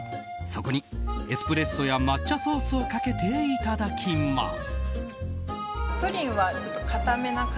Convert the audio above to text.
そこにエスプレッソや抹茶ソースをかけていただきます。